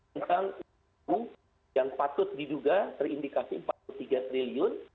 kejaksaan agung yang patut diduga terindikasi rp empat puluh tiga triliun